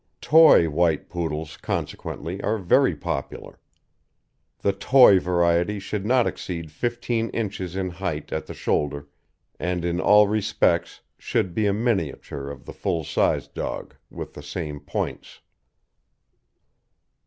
Toy White Poodles, consequently, are very popular. The toy variety should not exceed fifteen inches in height at the shoulder, and in all respects should be a miniature of the full sized dog, with the same points.